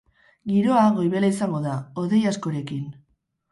Giroa goibela izango da, hodei askorekin.